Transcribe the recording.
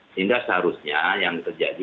sehingga seharusnya yang terjadi